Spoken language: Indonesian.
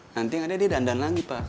nanti dia dandan lagi pak